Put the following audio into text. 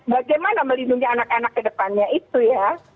bagaimana melindungi anak anak kedepannya itu ya